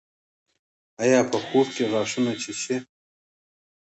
ایا خوب کې غاښونه چیچئ؟